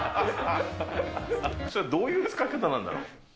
それ、どういう使い方なんだろう？